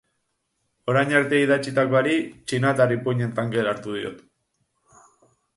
Orain arte idatzitakoari txinatar ipuin-en tankera hartu diot.